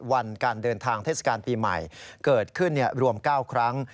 วันการเดินทางเทศกาลปีใหม่เกิดขึ้นรวม๙ครั้ง